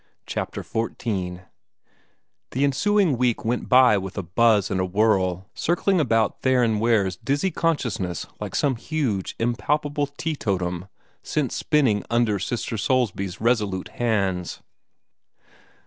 CHAPTER XIV The ensuing week went by with a buzz and whirl, circling about Theron Ware's dizzy consciousness like some huge, impalpable teetotum sent spinning under Sister Soulsby's resolute hands.